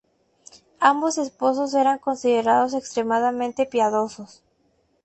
Ambos esposos eran considerados extremadamente piadosos.